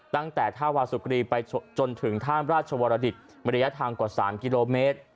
ตั้งแต่ท่าวาสุกรีไปจนถึงท่ามราชวรดิตระยะทางกว่า๓กิโลเมตร